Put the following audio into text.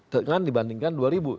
dengan dibandingkan dua ribu